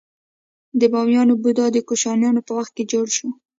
د بامیان بودا د کوشانیانو په وخت جوړ شو